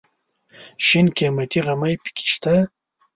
شین قیمتي غمی پکې شته.